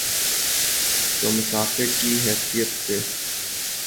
تو مسافر کی حیثیت سے۔